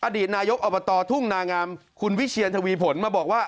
อดีตนายกอบตทุ่งนางามคุณวิเชียนทวีผลมาบอกว่า